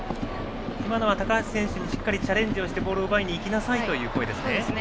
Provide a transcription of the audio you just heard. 今のは、高橋選手にしっかりチャレンジをしてボールを奪いにいきなさいという声ですね。